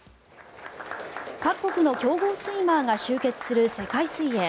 各国の強豪スイマーが集結する世界水泳。